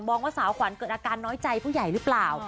ว่าสาวขวัญเกิดอาการน้อยใจผู้ใหญ่หรือเปล่า